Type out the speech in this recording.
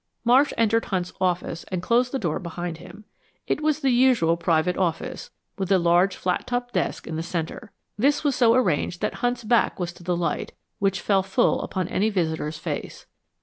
Marsh entered Hunt's office and closed the door behind him. It was the usual private office, with a large flat top desk in the center. This was so arranged that Hunt's back was to the light, which fell full upon any visitor's face.